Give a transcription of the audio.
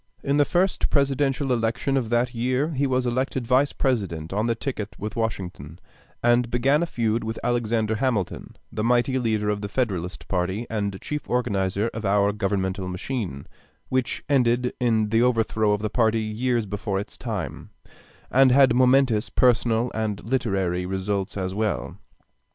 In the first Presidential election of that year he was elected Vice President on the ticket with Washington; and began a feud with Alexander Hamilton, the mighty leader of the Federalist party and chief organizer of our governmental machine, which ended in the overthrow of the party years before its time, and had momentous personal and literary results as well.